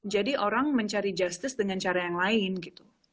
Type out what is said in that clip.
jadi orang mencari justice dengan cara yang lain gitu